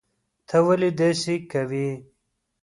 ته ولي داسي کوي